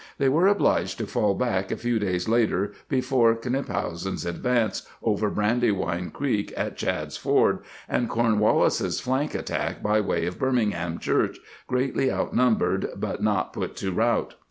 They were obliged to fall back a few days later before Knyphausen's advance over Brandywine Creek at Chadd's Ford and Cornwallis's flank attack by way of Birming ham church, greatly outnumbered but not put to rout.